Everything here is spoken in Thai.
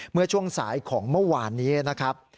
เมื่อช่วงสายของเมื่อวานนี้นะครับ